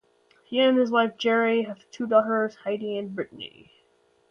He and his wife, Geri, have two daughters, Heide and Brittany.